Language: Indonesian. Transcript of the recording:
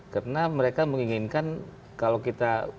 karena mereka menginginkan kalau kita